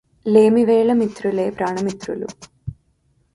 లేమివేళ మిత్రులే ప్రాణమిత్రులు